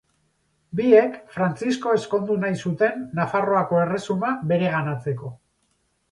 Biek Frantzisko ezkondu nahi zuten Nafarroako Erresuma bereganatzeko.